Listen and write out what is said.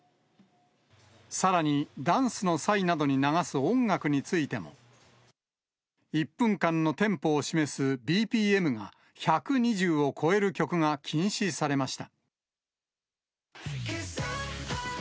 さらにダンスの際などに流す音楽についても、１分間のテンポを示すＢＰＭが１２０を超える曲が禁止されました。